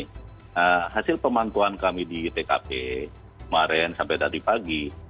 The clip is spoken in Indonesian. nah hasil pemantauan kami di tkp kemarin sampai tadi pagi